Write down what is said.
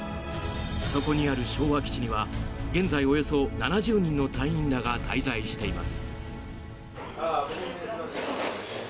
そこにある昭和基地には現在およそ７０人の隊員らが滞在しています。